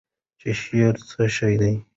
چې شعر څه شی دی؟